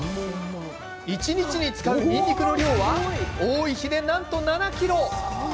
一日に使うにんにくの量は多い日で、なんと７ｋｇ。